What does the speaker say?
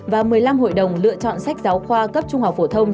và một mươi năm hội đồng lựa chọn sách giáo khoa cấp trung học phổ thông